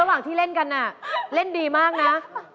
ระหว่างที่เล่นกันเล่นดีมากนะ